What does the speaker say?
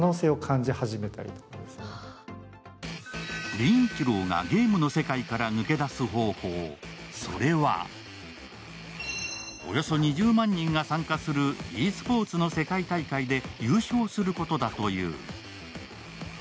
凛一郎がゲームの世界から抜け出す方法、それはおよそ２０万人が参加するｅスポーツの世界大会で優勝することだという。